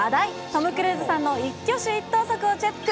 トム・クルーズさんの一挙手一投足をチェック。